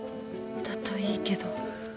だといいけど。